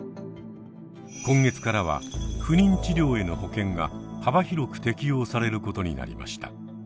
今月からは不妊治療への保険が幅広く適用されることになりました。